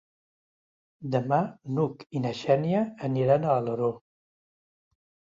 Demà n'Hug i na Xènia aniran a Alaró.